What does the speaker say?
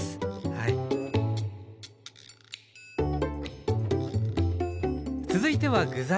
はい続いては具材。